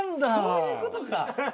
そういうことか。